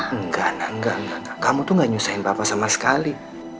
enggak enggak kamu tuh gak nyusahin papa sama sekali